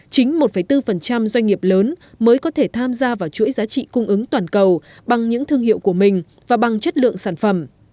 chính một bốn doanh nghiệp lớn mới có thể tham gia vào chuỗi giá trị cung ứng toàn cầu bằng những thương hiệu của mình và bằng chất lượng sản phẩm